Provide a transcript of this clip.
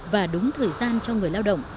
và đúng thời gian cho người lao động